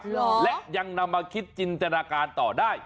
และยังนำมาคิดจินตนาการต่อได้